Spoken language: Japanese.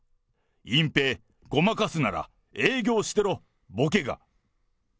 隠蔽、ごまかすなら営業してろ、ぼけが！